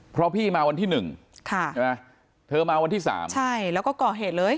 เพราะพี่มาวันที่๑ใช่ไหมเธอมาวันที่๓แล้วก็ก่อเหตุเลย